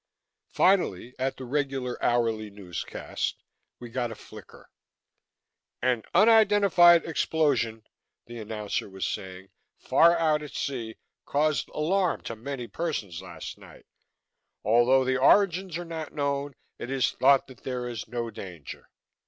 Finally, at the regular hourly newscast, we got a flicker: "An unidentified explosion," the announcer was saying, "far out at sea, caused alarm to many persons last night. Although the origins are not known, it is thought that there is no danger.